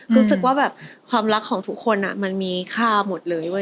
รู้สึกว่าแบบความรักของทุกคนมันมีค่าหมดเลย